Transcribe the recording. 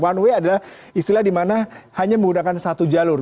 one way adalah istilah dimana hanya menggunakan satu jalur